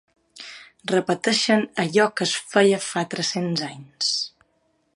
Repeteixen allò que es feia fa tres-cents anys.